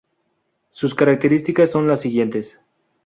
Sus características son las siguientes.